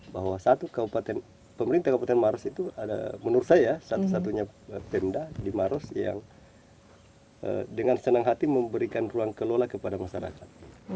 bahwa satu kabupaten pemerintah kabupaten maros itu ada menurut saya satu satunya pemda di maros yang dengan senang hati memberikan ruang kelola kepada masyarakat